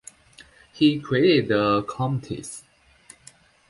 He created the Comtesse.